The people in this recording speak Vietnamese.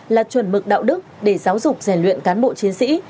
là chuẩn mực đạo đức để giáo dục rèn luyện cán bộ chiến sĩ